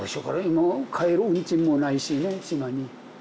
もう帰る運賃もないしね島に。